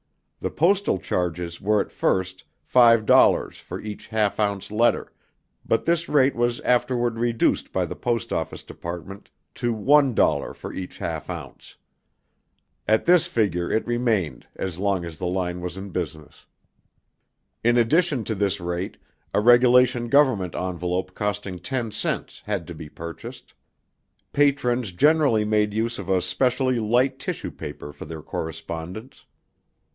The postal charges were at first, five dollars for each half ounce letter, but this rate was afterward reduced by the Post Office Department to one dollar for each half ounce. At this figure it remained as long as the line was in business. In addition to this rate, a regulation government envelope costing ten cents, had to be purchased. Patrons generally made use of a specially light tissue paper for their correspondence.